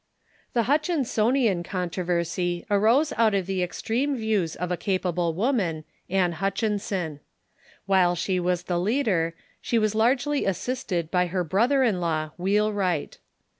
The Ilutchinsonian controversy arose out of the extreme views of a capable Avoman, Ann Hutchinson. While she was jfig the leader, she Avas largely assisted by her broth Hutchinsonian er in law, AVheelwriglit.